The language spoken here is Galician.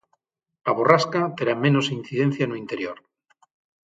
A borrasca terá menos incidencia no interior.